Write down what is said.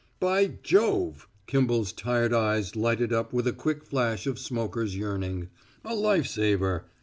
"By Jove!" Kimball's tired eyes lighted up with a quick flash of smoker's yearning. "A life saver!